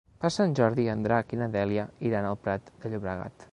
Per Sant Jordi en Drac i na Dèlia iran al Prat de Llobregat.